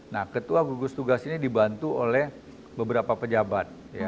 nah ketua gugus tugas ini dibantu oleh beberapa pejabat